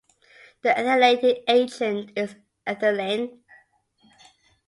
The ethylating agent is ethylene.